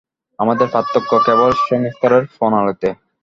আমাদের পার্থক্য কেবল সংস্কারের প্রণালীতে।